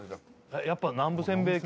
やっぱ南部せんべい系？